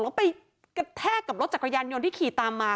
แล้วไปกระแทกกับรถจักรยานยนต์ที่ขี่ตามมา